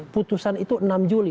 putusan itu enam juli